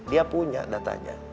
dia punya datanya